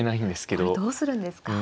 これどうするんですか。